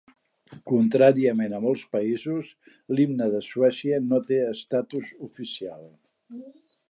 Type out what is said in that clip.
Contràriament a molts països, l'himne de Suècia no té estatus oficial.